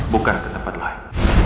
bukan ke tempat lain